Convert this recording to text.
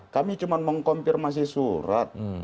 kami cuma mengkonfirmasi surat